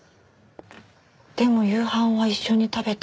でも夕飯は一緒に食べた。